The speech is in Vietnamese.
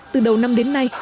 từ đầu năm đến nay